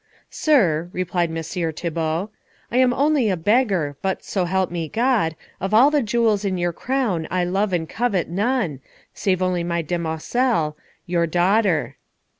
"Sir," replied Messire Thibault, "I am only a beggar, but so help me God, of all the jewels in your crown I love and covet none, save only my demoiselle, your daughter."